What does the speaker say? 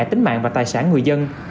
tính mạng và tài sản người dân